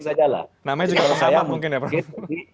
namanya juga sama mungkin ya pak rufus